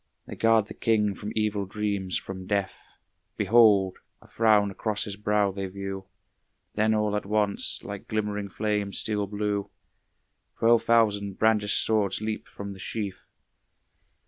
They guard the king from evil dreams, from death. Behold! a frown across his brow they view. Then all at once, like glimmering flames steel blue, Twelve thousand brandished swords leap from the sheath.